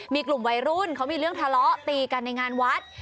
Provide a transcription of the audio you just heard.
มีกลุ่มวัยรุ่นเขามีเรื่องทะเลาะตีกันในงานวัด